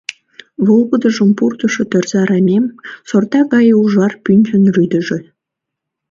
Волгыдыжым пуртышо тӧрза рамем — сорта гае ужар пӱнчын рӱдыжӧ.